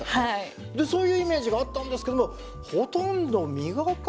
でそういうイメージがあったんですけどもほとんど磨かない。